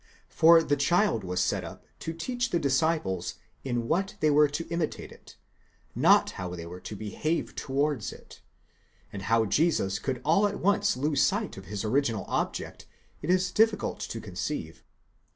For the child was set up to teach the disciples in what they were to imitate it, not how they were to behave towards it, and how Jesus could all at once lose sight of his original object, it is difficult to conceive.